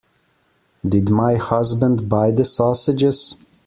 Did my husband buy the sausages?